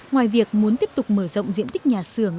ngoài việc muốn tiếp tục mở rộng diện tích nhà xưởng